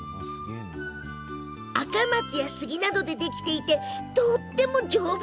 アカマツや杉などでできていてとっても丈夫。